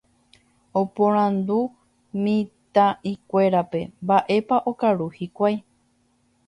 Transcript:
Oporandu mitã'ikúerape mba'épa okaru hikuái.